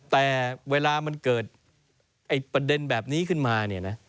แต่เวลามันเกิดอันประเด็นแบบนี้ขึ้นมา